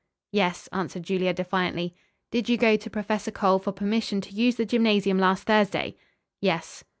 "Yes," answered Julia defiantly. "Did you go to Professor Cole for permission to use the gymnasium last Thursday?" "Yes."